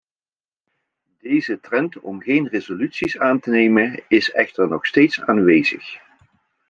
Deze trend om geen resoluties aan te nemen, is echter nog steeds aanwezig.